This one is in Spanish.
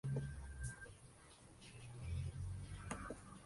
Siguiendo el algoritmo hasta completar la nueva cadena.